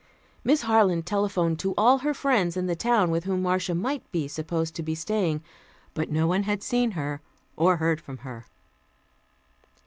Miss Harland telephoned to all her friends in the town with whom Marcia might be supposed to be staying, but no one had seen her or heard from her.